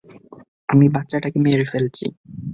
আমি বাচ্চাটাকে মেরে ফেলছি।